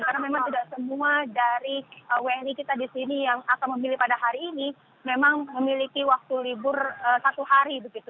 karena memang tidak semua dari wni kita di sini yang akan memilih pada hari ini memang memiliki waktu libur satu hari begitu